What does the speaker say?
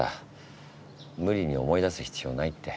無理に思い出す必要ないって。